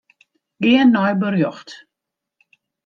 Gean nei berjocht.